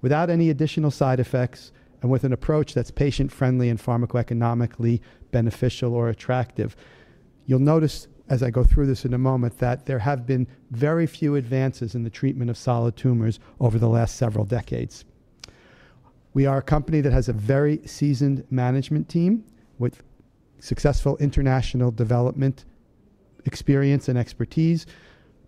Without any additional side effects and with an approach that's patient-friendly and pharmacoeconomically beneficial or attractive. You'll notice, as I go through this in a moment, that there have been very few advances in the treatment of solid tumors over the last several decades. We are a company that has a very seasoned management team with successful international development experience and expertise,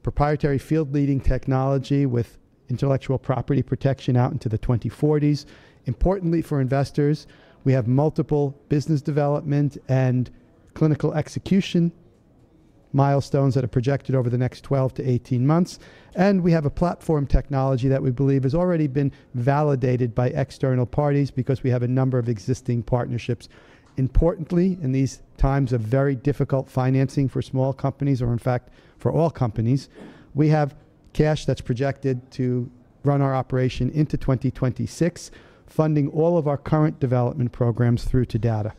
proprietary field-leading technology with intellectual property protection out into the 2040s. Importantly for investors, we have multiple business development and clinical execution milestones that are projected over the next 12-18 months, and we have a platform technology that we believe has already been validated by external parties because we have a number of existing partnerships. Importantly, in these times of very difficult financing for small companies or, in fact, for all companies, we have cash that's projected to run our operation into 2026, funding all of our current development programs through to data.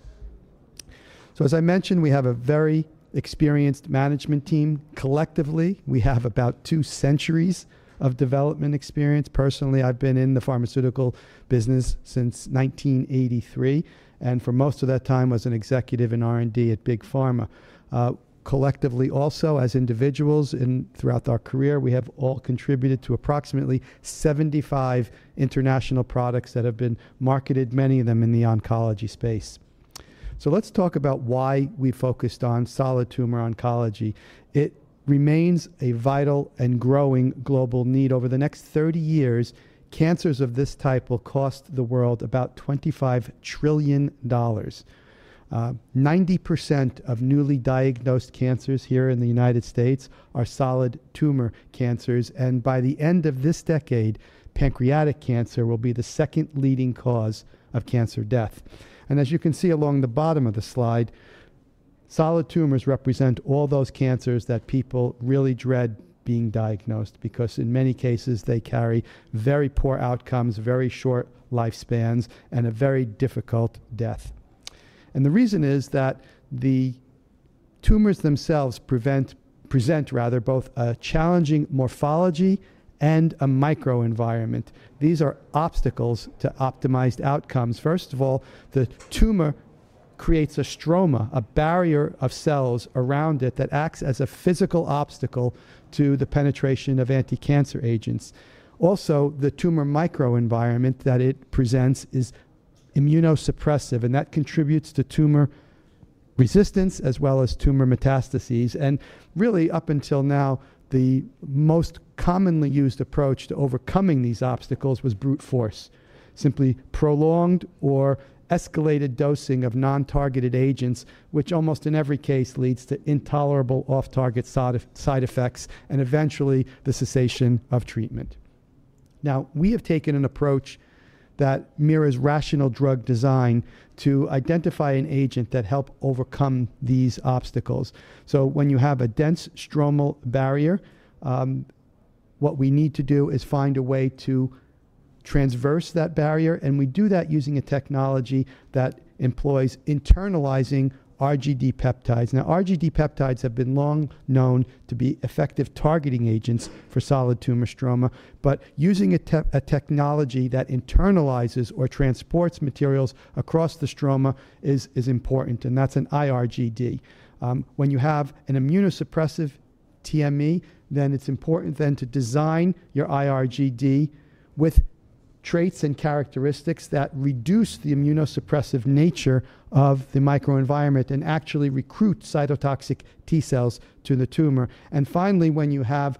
So, as I mentioned, we have a very experienced management team. Collectively, we have about two centuries of development experience. Personally, I've been in the pharmaceutical business since 1983, and for most of that time was an executive in R&D at Big Pharma. Collectively, also, as individuals and throughout our career, we have all contributed to approximately 75 international products that have been marketed, many of them in the oncology space. So, let's talk about why we focused on solid tumor oncology. It remains a vital and growing global need. Over the next 30 years, cancers of this type will cost the world about $25 trillion. 90% of newly diagnosed cancers here in the United States are solid tumor cancers. And by the end of this decade, pancreatic cancer will be the second leading cause of cancer death. And as you can see along the bottom of the slide, solid tumors represent all those cancers that people really dread being diagnosed because, in many cases, they carry very poor outcomes, very short lifespans, and a very difficult death. And the reason is that the tumors themselves present, rather, both a challenging morphology and a microenvironment. These are obstacles to optimized outcomes. First of all, the tumor creates a stroma, a barrier of cells around it that acts as a physical obstacle to the penetration of anti-cancer agents. Also, the tumor microenvironment that it presents is immunosuppressive, and that contributes to tumor resistance as well as tumor metastases. Really, up until now, the most commonly used approach to overcoming these obstacles was brute force, simply prolonged or escalated dosing of non-targeted agents, which almost in every case leads to intolerable off-target side effects and eventually the cessation of treatment. Now, we have taken an approach that mirrors rational drug design to identify an agent that helps overcome these obstacles. So, when you have a dense stromal barrier, what we need to do is find a way to traverse that barrier. And we do that using a technology that employs internalizing RGD peptides. Now, RGD peptides have been long known to be effective targeting agents for solid tumor stroma, but using a technology that internalizes or transports materials across the stroma is important, and that's an iRGD. When you have an immunosuppressive TME, then it's important then to design your iRGD with traits and characteristics that reduce the immunosuppressive nature of the microenvironment and actually recruit cytotoxic T cells to the tumor. And finally, when you have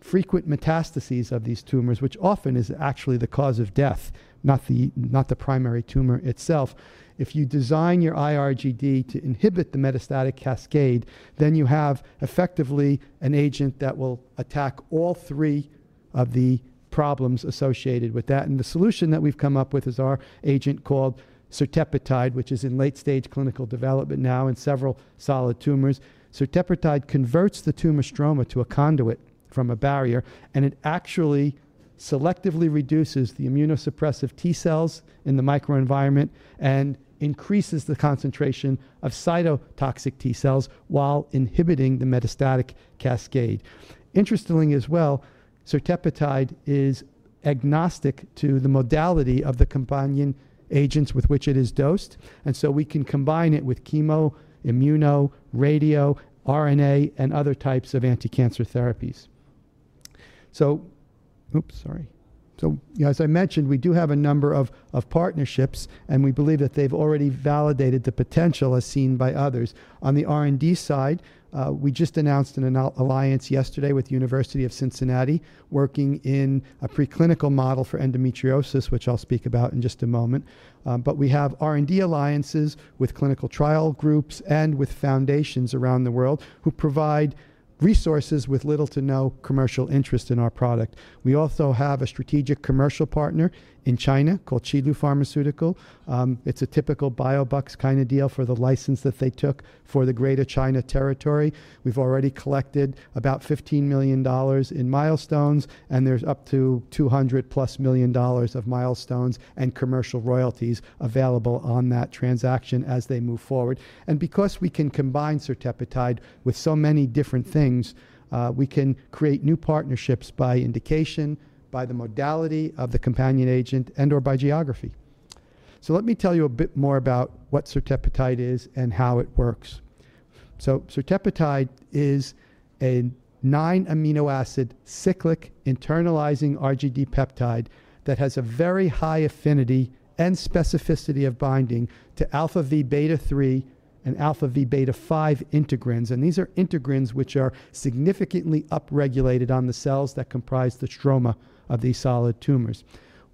frequent metastases of these tumors, which often is actually the cause of death, not the primary tumor itself, if you design your iRGD to inhibit the metastatic cascade, then you have effectively an agent that will attack all three of the problems associated with that. And the solution that we've come up with is our agent called certepetide, which is in late-stage clinical development now in several solid tumors. Certepetide converts the tumor stroma to a conduit from a barrier, and it actually selectively reduces the immunosuppressive T cells in the microenvironment and increases the concentration of cytotoxic T cells while inhibiting the metastatic cascade. Interestingly as well, certepetide is agnostic to the modality of the companion agents with which it is dosed. And so, we can combine it with chemo, immuno, radio, RNA, and other types of anti-cancer therapies. So, as I mentioned, we do have a number of partnerships, and we believe that they've already validated the potential as seen by others. On the R&D side, we just announced an alliance yesterday with the University of Cincinnati working in a preclinical model for endometriosis, which I'll speak about in just a moment. But we have R&D alliances with clinical trial groups and with foundations around the world who provide resources with little to no commercial interest in our product. We also have a strategic commercial partner in China called Qilu Pharmaceutical. It's a typical Biobucks kind of deal for the license that they took for the Greater China Territory. We've already collected about $15 million in milestones, and there's up to $200 plus million of milestones and commercial royalties available on that transaction as they move forward. And because we can combine certepetide with so many different things, we can create new partnerships by indication, by the modality of the companion agent, and/or by geography. So, let me tell you a bit more about what certepetide is and how it works. So, certepetide is a nine-amino acid cyclic internalizing RGD peptide that has a very high affinity and specificity of binding to alpha-v beta-3 and alpha-v beta-5 integrins. And these are integrins which are significantly upregulated on the cells that comprise the stroma of these solid tumors.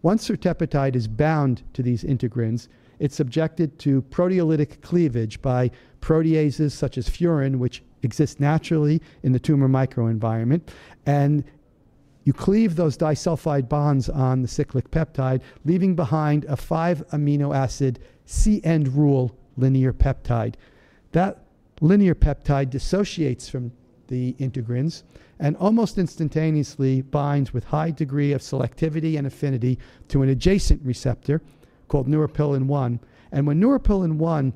Once certepetide is bound to these integrins, it's subjected to proteolytic cleavage by proteases such as furin, which exist naturally in the tumor microenvironment. You cleave those disulfide bonds on the cyclic peptide, leaving behind a five-amino acid C-end rule linear peptide. That linear peptide dissociates from the integrins and almost instantaneously binds with a high degree of selectivity and affinity to an adjacent receptor called neuropilin-1. When neuropilin-1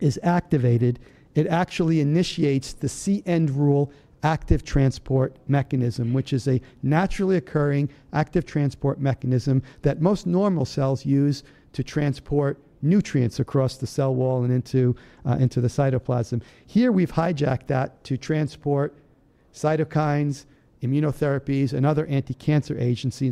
is activated, it actually initiates the C-end rule active transport mechanism, which is a naturally occurring active transport mechanism that most normal cells use to transport nutrients across the cell wall and into the cytoplasm. Here, we've hijacked that to transport cytokines, immunotherapies, and other anti-cancer agents.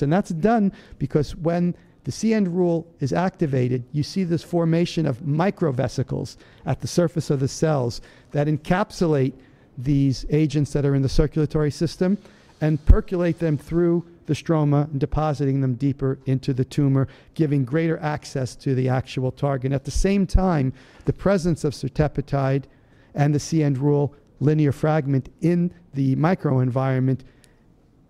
That's done because when the C-end rule is activated, you see this formation of microvesicles at the surface of the cells that encapsulate these agents that are in the circulatory system and percolate them through the stroma, depositing them deeper into the tumor, giving greater access to the actual target. At the same time, the presence of certepetide and the C-end rule linear fragment in the microenvironment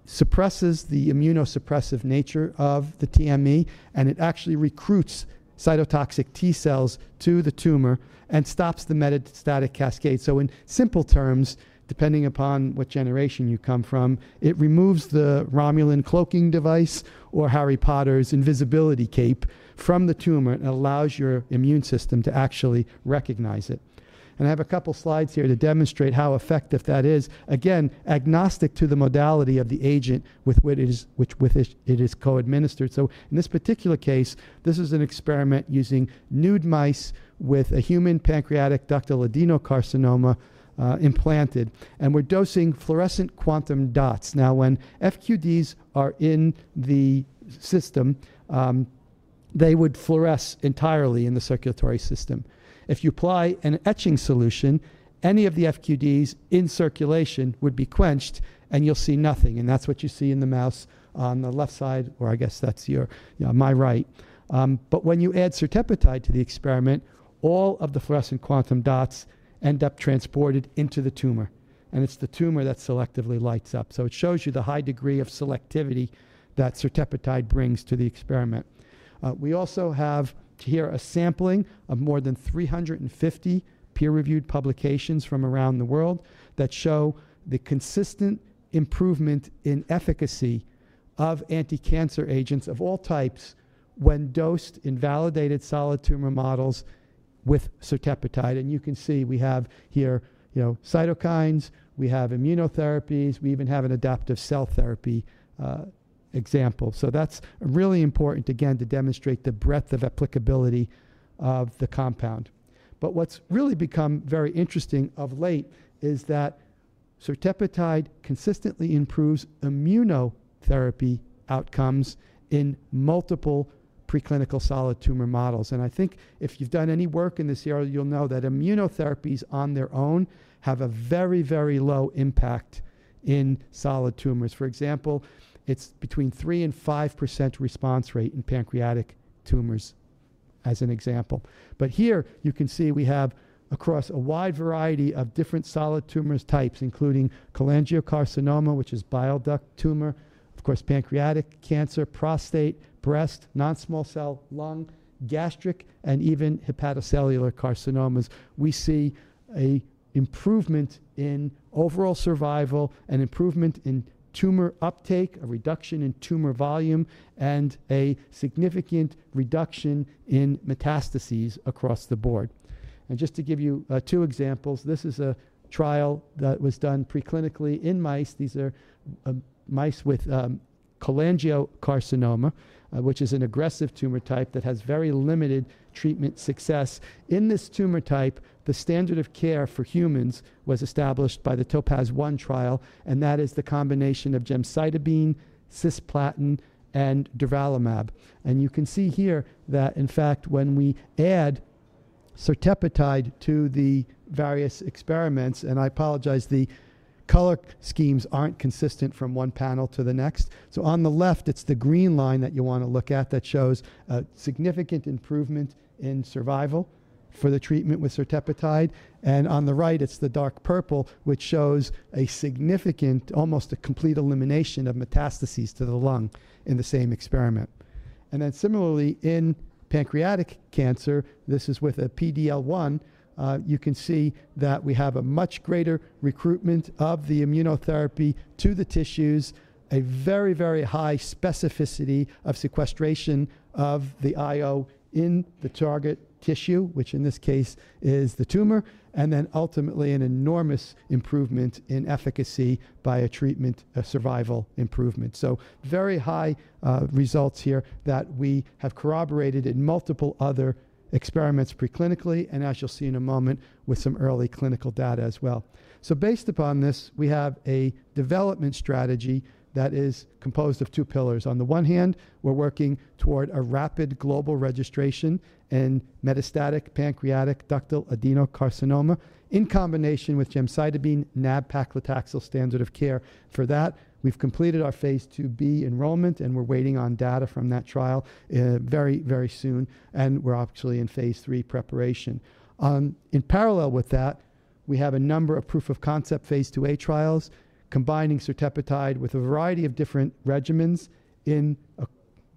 suppresses the immunosuppressive nature of the TME, and it actually recruits cytotoxic T cells to the tumor and stops the metastatic cascade. So, in simple terms, depending upon what generation you come from, it removes the Romulan cloaking device or Harry Potter's invisibility cape from the tumor and allows your immune system to actually recognize it. And I have a couple of slides here to demonstrate how effective that is. Again, agnostic to the modality of the agent with which it is co-administered. So, in this particular case, this is an experiment using nude mice with a human pancreatic ductal adenocarcinoma implanted. And we're dosing fluorescent quantum dots. Now, when FQDs are in the system, they would fluoresce entirely in the circulatory system. If you apply an etching solution, any of the FQDs in circulation would be quenched, and you'll see nothing. That's what you see in the mouse on the left side, or I guess that's my right. When you add certepetide to the experiment, all of the fluorescent quantum dots end up transported into the tumor, and it's the tumor that selectively lights up. It shows you the high degree of selectivity that certepetide brings to the experiment. We also have here a sampling of more than 350 peer-reviewed publications from around the world that show the consistent improvement in efficacy of anti-cancer agents of all types when dosed in validated solid tumor models with certepetide. You can see we have here cytokines, we have immunotherapies, we even have an adaptive cell therapy example. That's really important, again, to demonstrate the breadth of applicability of the compound. What's really become very interesting of late is that certepetide consistently improves immunotherapy outcomes in multiple preclinical solid tumor models. I think if you've done any work in this area, you'll know that immunotherapies on their own have a very, very low impact in solid tumors. For example, it's between 3% and 5% response rate in pancreatic tumors, as an example. Here, you can see we have across a wide variety of different solid tumor types, including cholangiocarcinoma, which is bile duct tumor, of course, pancreatic cancer, prostate, breast, non-small cell lung, gastric, and even hepatocellular carcinomas. We see an improvement in overall survival and improvement in tumor uptake, a reduction in tumor volume, and a significant reduction in metastases across the board. Just to give you two examples, this is a trial that was done preclinically in mice. These are mice with cholangiocarcinoma, which is an aggressive tumor type that has very limited treatment success. In this tumor type, the standard of care for humans was established by the TOPAZ-1 trial, and that is the combination of gemcitabine, cisplatin, and durvalumab. You can see here that, in fact, when we add certepetide to the various experiments, and I apologize, the color schemes aren't consistent from one panel to the next. So, on the left, it's the green line that you want to look at that shows a significant improvement in survival for the treatment with certepetide. On the right, it's the dark purple, which shows a significant, almost a complete elimination of metastases to the lung in the same experiment. And then similarly, in pancreatic cancer, this is with a PD-L1, you can see that we have a much greater recruitment of the immunotherapy to the tissues, a very, very high specificity of sequestration of the IO in the target tissue, which in this case is the tumor, and then ultimately an enormous improvement in efficacy by a treatment survival improvement. So, very high results here that we have corroborated in multiple other experiments preclinically, and as you'll see in a moment with some early clinical data as well. So, based upon this, we have a development strategy that is composed of two pillars. On the one hand, we're working toward a rapid global registration in metastatic pancreatic ductal adenocarcinoma in combination with gemcitabine nab-paclitaxel standard of care. For that, we've completed our phase II-B enrollment, and we're waiting on data from that trial very, very soon, and we're actually in phase III preparation. In parallel with that, we have a number of proof of concept phase II-A trials combining certepetide with a variety of different regimens in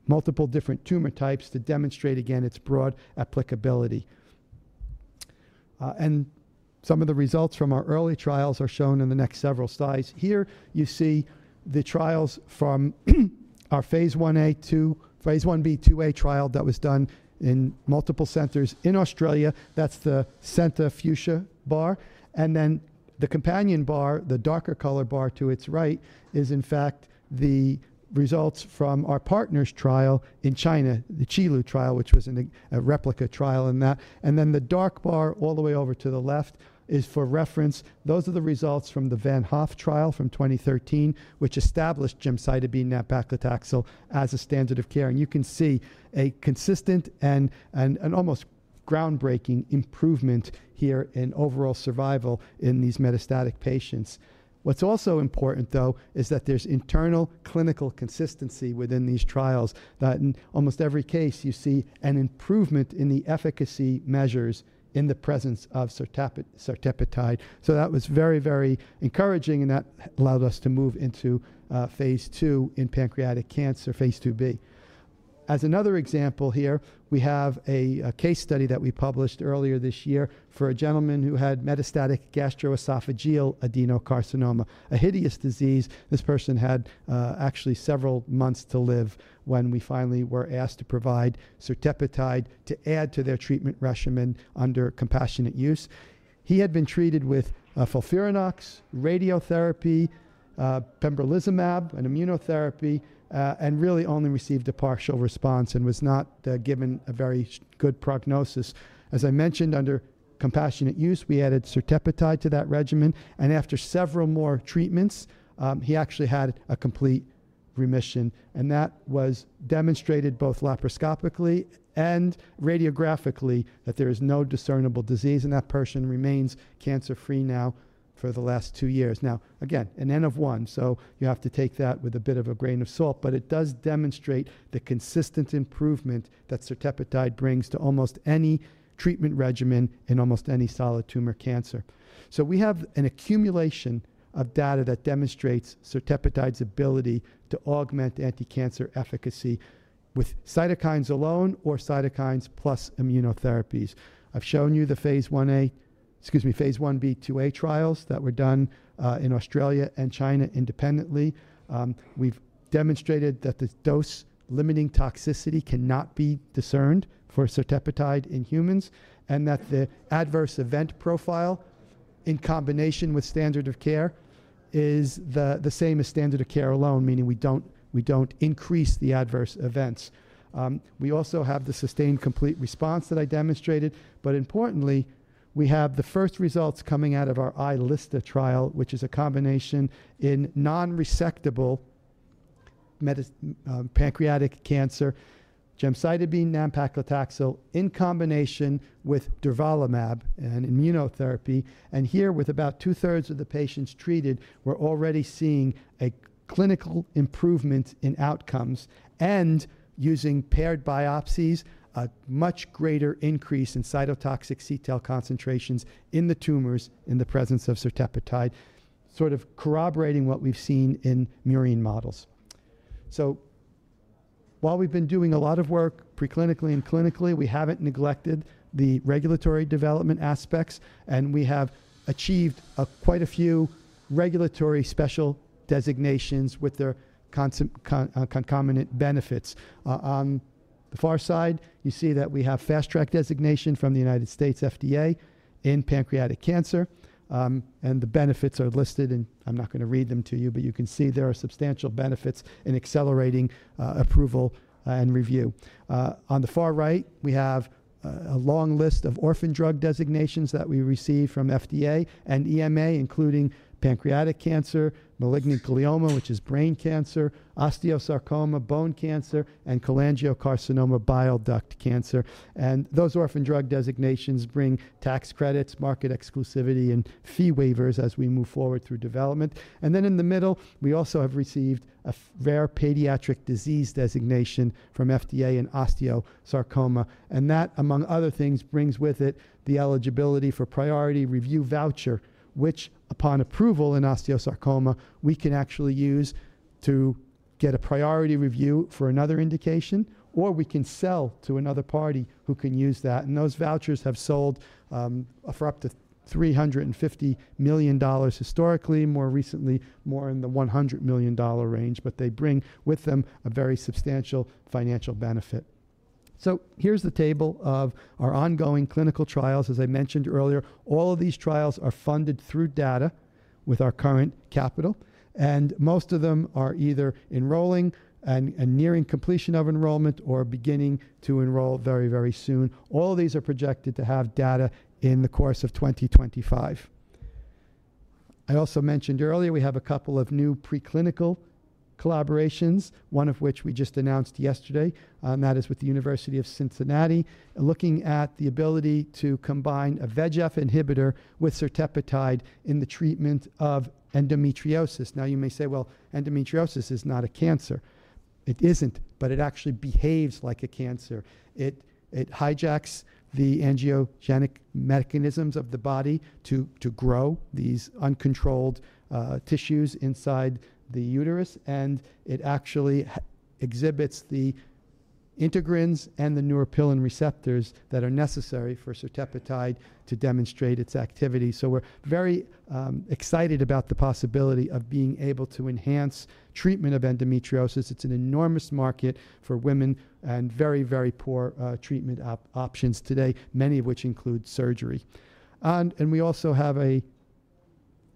multiple different tumor types to demonstrate, again, its broad applicability. And some of the results from our early trials are shown in the next several slides. Here, you see the trials from our phase I-A to phase I-B/II-A trial that was done in multiple centers in Australia. That's the center fuchsia bar. And then the companion bar, the darker color bar to its right, is in fact the results from our partner's trial in China, the Qilu trial, which was a replica trial in that. Then the dark bar all the way over to the left is for reference. Those are the results from the Von Hoff trial from 2013, which established gemcitabine nab-paclitaxel as a standard of care. You can see a consistent and almost groundbreaking improvement here in overall survival in these metastatic patients. What's also important, though, is that there's internal clinical consistency within these trials. That in almost every case, you see an improvement in the efficacy measures in the presence of certepetide. That was very, very encouraging, and that allowed us to move into phase II-A in pancreatic cancer, phase II-B. As another example here, we have a case study that we published earlier this year for a gentleman who had metastatic gastroesophageal adenocarcinoma, a hideous disease. This person had actually several months to live when we finally were asked to provide certepetide to add to their treatment regimen under compassionate use. He had been treated with FOLFIRINOX, radiotherapy, pembrolizumab, and immunotherapy, and really only received a partial response and was not given a very good prognosis. As I mentioned, under compassionate use, we added certepetide to that regimen, and after several more treatments, he actually had a complete remission, and that was demonstrated both laparoscopically and radiographically that there is no discernible disease, and that person remains cancer-free now for the last two years. Now, again, an N of one, so you have to take that with a bit of a grain of salt, but it does demonstrate the consistent improvement that certepetide brings to almost any treatment regimen in almost any solid tumor cancer. We have an accumulation of data that demonstrates certepetide's ability to augment anti-cancer efficacy with cytokines alone or cytokines plus immunotherapies. I've shown you the phase 1b, excuse me, phase 1b/2a trials that were done in Australia and China independently. We've demonstrated that the dose-limiting toxicity cannot be discerned for certepetide in humans and that the adverse event profile in combination with standard of care is the same as standard of care alone, meaning we don't increase the adverse events. We also have the sustained complete response that I demonstrated, but importantly, we have the first results coming out of our iLSTA trial, which is a combination in non-resectable pancreatic cancer, gemcitabine nab-paclitaxel in combination with durvalumab and immunotherapy. Here, with about two-thirds of the patients treated, we're already seeing a clinical improvement in outcomes and using paired biopsies, a much greater increase in cytotoxic T-cell concentrations in the tumors in the presence of certepetide, sort of corroborating what we've seen in murine models. While we've been doing a lot of work preclinically and clinically, we haven't neglected the regulatory development aspects, and we have achieved quite a few regulatory special designations with their concomitant benefits. On the far side, you see that we have fast-track designation from the United States FDA in pancreatic cancer, and the benefits are listed, and I'm not going to read them to you, but you can see there are substantial benefits in accelerating approval and review. On the far right, we have a long list of orphan drug designations that we received from FDA and EMA, including pancreatic cancer, malignant glioma, which is brain cancer, osteosarcoma, bone cancer, and cholangiocarcinoma, bile duct cancer. And those orphan drug designations bring tax credits, market exclusivity, and fee waivers as we move forward through development. And then in the middle, we also have received a rare pediatric disease designation from FDA in osteosarcoma. And that, among other things, brings with it the eligibility for priority review voucher, which, upon approval in osteosarcoma, we can actually use to get a priority review for another indication, or we can sell to another party who can use that. And those vouchers have sold for up to $350 million historically, more recently more in the $100 million range, but they bring with them a very substantial financial benefit. Here's the table of our ongoing clinical trials. As I mentioned earlier, all of these trials are funded through data with our current capital, and most of them are either enrolling and nearing completion of enrollment or beginning to enroll very, very soon. All of these are projected to have data in the course of 2025. I also mentioned earlier we have a couple of new preclinical collaborations, one of which we just announced yesterday, and that is with the University of Cincinnati, looking at the ability to combine a VEGF inhibitor with certepetide in the treatment of endometriosis. Now, you may say, well, endometriosis is not a cancer. It isn't, but it actually behaves like a cancer. It hijacks the angiogenic mechanisms of the body to grow these uncontrolled tissues inside the uterus, and it actually exhibits the integrins and the neuropilin receptors that are necessary for certepetide to demonstrate its activity. So, we're very excited about the possibility of being able to enhance treatment of endometriosis. It's an enormous market for women and very, very poor treatment options today, many of which include surgery. And we also have a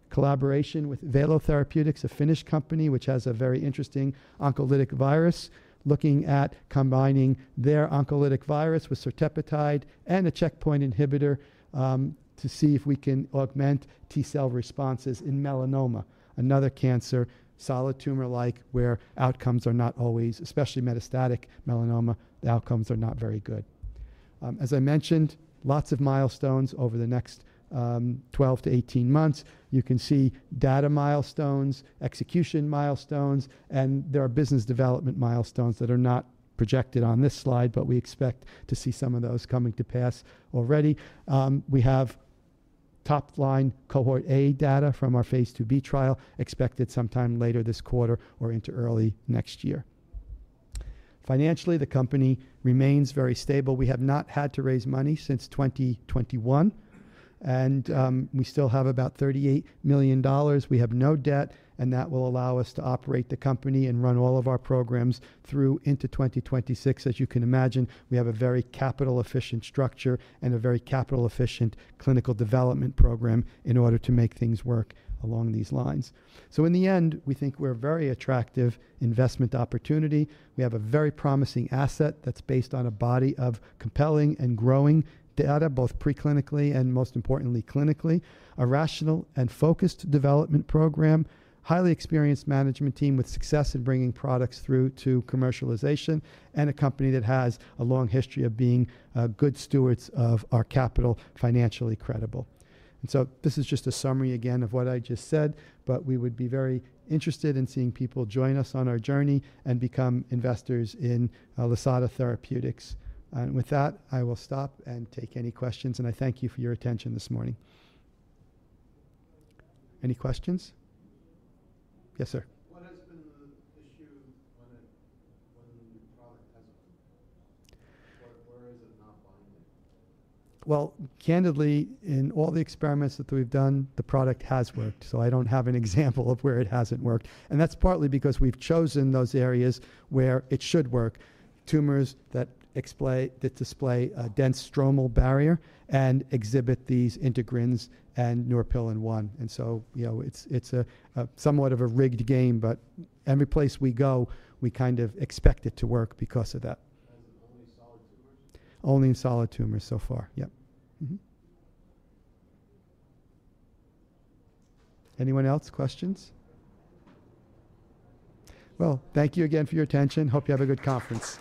collaboration with Valo Therapeutics, a Finnish company, which has a very interesting oncolytic virus, looking at combining their oncolytic virus with certepetide and a checkpoint inhibitor to see if we can augment T-cell responses in melanoma, another cancer, solid tumor-like, where outcomes are not always, especially metastatic melanoma, the outcomes are not very good. As I mentioned, lots of milestones over the next 12 to 18 months. You can see data milestones, execution milestones, and there are business development milestones that are not projected on this slide, but we expect to see some of those coming to pass already. We have top-line cohort A data from our phase II-B trial, expected sometime later this quarter or into early next year. Financially, the company remains very stable. We have not had to raise money since 2021, and we still have about $38 million. We have no debt, and that will allow us to operate the company and run all of our programs through into 2026. As you can imagine, we have a very capital-efficient structure and a very capital-efficient clinical development program in order to make things work along these lines. So, in the end, we think we're a very attractive investment opportunity. We have a very promising asset that's based on a body of compelling and growing data, both preclinically and, most importantly, clinically. A rational and focused development program, highly experienced management team with success in bringing products through to commercialization, and a company that has a long history of being good stewards of our capital, financially credible. So, this is just a summary again of what I just said, but we would be very interested in seeing people join us on our journey and become investors in Lisata Therapeutics. With that, I will stop and take any questions, and I thank you for your attention this morning. Any questions? Yes, sir. What has been the issue when the product hasn't worked? Where is it not binding? Well, candidly, in all the experiments that we've done, the product has worked. So, I don't have an example of where it hasn't worked. And that's partly because we've chosen those areas where it should work, tumors that display a dense stromal barrier and exhibit these integrins and neuropilin-1. And so, you know, it's somewhat of a rigged game, but every place we go, we kind of expect it to work because of that. As in only solid tumors? Only in solid tumors so far, yep. Anyone else? Questions? Well, thank you again for your attention. Hope you have a good conference.